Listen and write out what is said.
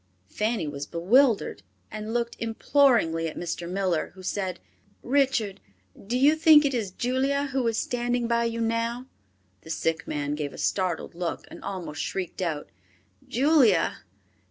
Fanny was bewildered, and looked imploringly at Mr. Miller, who said, "Richard, do you think it is Julia who is standing by you now?" The sick man gave a startled look and almost shrieked out, "Julia?